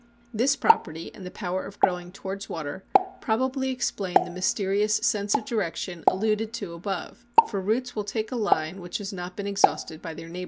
This property and the power of growing towards water probably explain the mysterious sense of direction alluded to above, for roots will take a line which has not been exhausted by their neighbours.